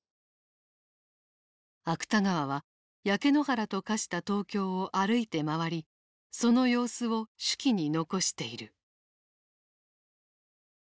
芥川は焼け野原と化した東京を歩いて回りその様子を手記に残している。